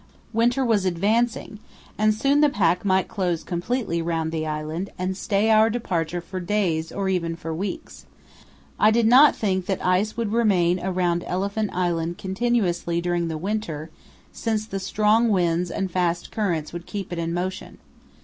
Winter was advancing, and soon the pack might close completely round the island and stay our departure for days or even for weeks, I did not think that ice would remain around Elephant Island continuously during the winter, since the strong winds and fast currents would keep it in motion.